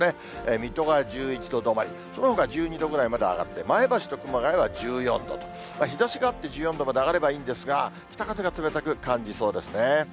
水戸が１１度止まり、そのほか１２度ぐらいまで上がって、前橋と熊谷は１４度と、日ざしがあって１４度まで上がればいいんですが、北風が冷たく感じそうですね。